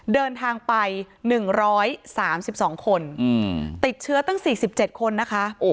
เดินทางไป๑๓๒คนติดเชื้อตั้ง๔๗คนนะคะ